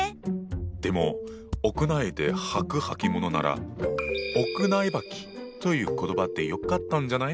でも屋内で履くはきものなら「屋内履き」という言葉でよかったんじゃない。